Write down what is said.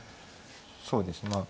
そうですねまあ。